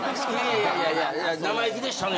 いやいや生意気でしたね。